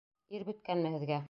Ир бөткәнме һеҙгә?